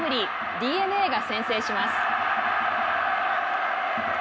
ＤｅＮＡが先制します。